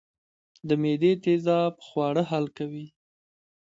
د معدې تیزاب خواړه حل کوي